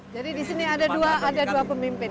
jadi di sini ada dua pemimpin